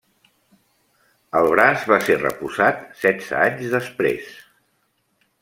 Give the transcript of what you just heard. El braç va ser reposat setze anys després.